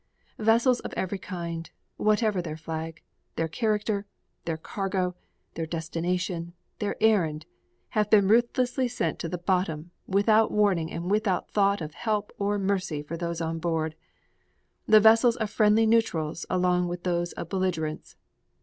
Vessels of every kind, whatever their flag, their character, their cargo, their destination, their errand, have been ruthlessly sent to the bottom without warning and without thought of help or mercy for those on board, the vessels of friendly neutrals along with those of belligerents.